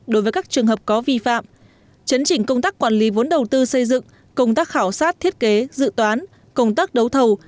đối với các trường hợp có vi phạm chấn chỉnh công tác quản lý vốn đầu tư xây dựng công tác khảo sát thiết kế dự toán công tác đấu thầu